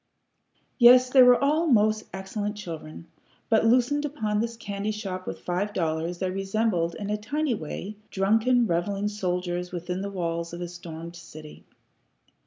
Yes, they were all most excellent children, but, loosened upon this candy shop with five dollars, they resembled, in a tiny way, drunken revelling soldiers within the walls of a stormed city.